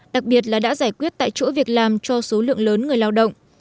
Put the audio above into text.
đặc biệt là đã giải quyết tại chỗ việc làm cho số lượng lớn người lao động